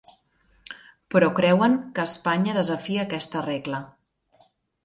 Però creuen que Espanya ‘desafia aquesta regla’.